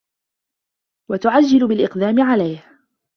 وَتُعَجِّلُ بِالْإِقْدَامِ عَلَيْهِ